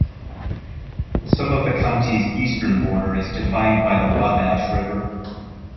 Some of the county's eastern border is defined by the Wabash River.